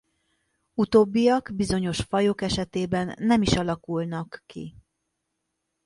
Utóbbiak bizonyos fajok esetében nem is alakulnak ki.